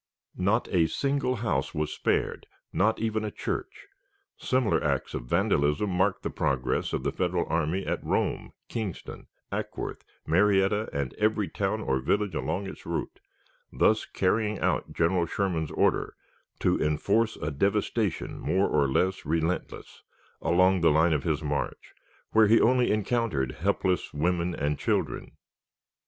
Not a single house was spared, not even a church. Similar acts of vandalism marked the progress of the Federal army at Rome, Kingston, Acworth, Marietta, and every town or village along its route, thus carrying out General Sherman's order "to enforce a devastation more or less relentless" along the line of his march, where he only encountered helpless women and children.